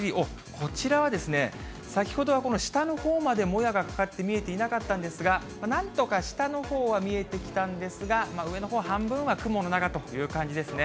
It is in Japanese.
こちらはですね、先ほどはこの下のほうまでもやがかかって見えていなかったんですが、なんとか下のほうは見えてきたんですが、上の方半分は雲の中という感じですね。